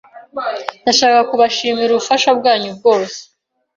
Nashakaga kubashimira ubufasha bwanyu bwose.